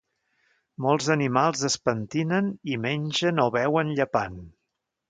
Molts animals es pentinen i mengen o beuen llepant.